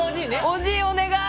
おじいお願い。